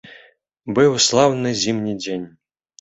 Быў слаўны зімні дзень.